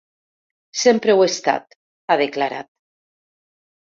Sempre ho he estat, ha declarat.